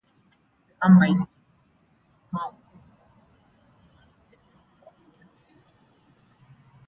The Amite County Courthouse in Liberty is the oldest in Mississippi.